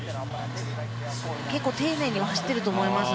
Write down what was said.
結構丁寧に走っていると思います。